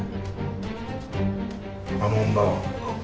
あの女は？